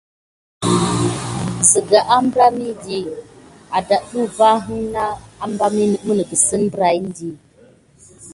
Kisdà naŋ glabayà muwɗakanigən wuza vani.